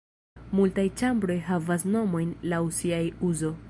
Multaj ĉambroj havas nomojn laŭ siaj uzo.